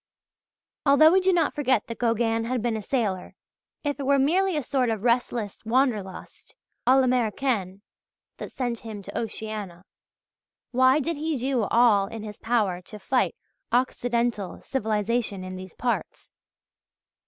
Although we do not forget that Gauguin had been a sailor, if it were merely a sort of restless "Wanderlust" à l'Americaine that sent him to Oceania, why did he do all in his power to fight Occidental civilization in these parts?